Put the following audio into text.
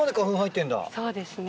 そうですね。